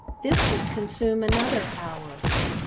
This would consume another hour.